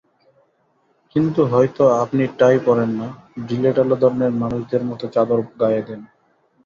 কিন্তু হয়তো আপনি টাই পরেন না, ঢিলেঢালা ধরণের মানুষদের মতো চাদর গায়ে দেন।